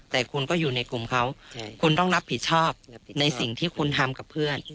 แต่คุณก็อยู่ในกลุ่มเขาคุณต้องรับผิดชอบในสิ่งที่คุณทำกับเพื่อน